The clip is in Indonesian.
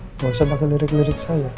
nggak usah pakai lirik lirik saya